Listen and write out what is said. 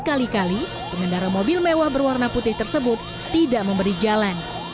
kali kali pengendara mobil mewah berwarna putih tersebut tidak memberi jalan